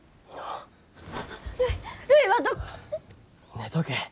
寝とけ。